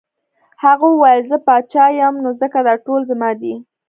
هغه وویل زه پاچا یم نو ځکه دا ټول زما دي.